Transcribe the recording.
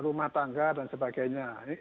rumah tangga dan sebagainya